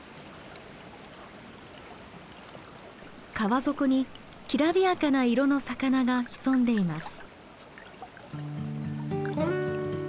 川底にきらびやかな色の魚が潜んでいます。